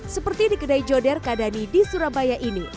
seperti di kedai joder kadani di surabaya ini